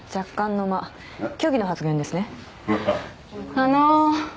あの。